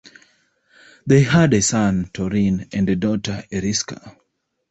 They had a son, Torrin, and a daughter, Eriska.